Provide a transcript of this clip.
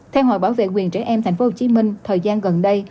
theo hội bảo vệ quyền trẻ em tp hcm thời gian gần đây